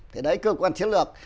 thì đấy cơ quan chiến lược